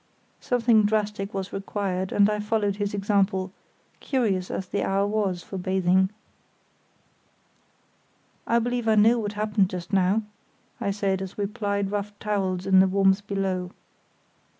Something drastic was required, and I followed his example, curious as the hour was for bathing. "I believe I know what happened just now," said I, as we plied rough towels in the warmth below.